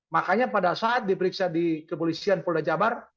makanya pada saat diperiksa di kepolisian polda jabar